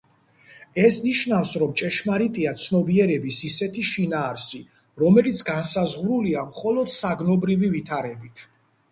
ეს ნიშნავს, რომ ჭეშმარიტია ცნობიერების ისეთი შინაარსი, რომელიც განსაზღვრულია მხოლოდ საგნობრივი ვითარებით.